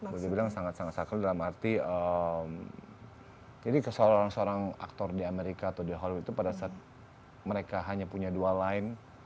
boleh dibilang sangat sangat sakral dalam arti jadi seorang aktor di amerika atau di holly itu pada saat mereka hanya punya dua line